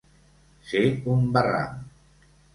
Ser un barram.